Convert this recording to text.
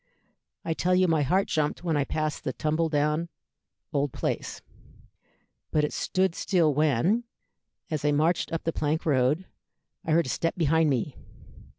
I tell you my heart jumped when I passed the tumble down old place; but it stood still when, as I marched up the plank road, I heard a step behind me.